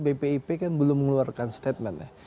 bpip kan belum mengeluarkan statement ya